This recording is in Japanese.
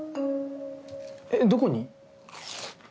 えっどこに？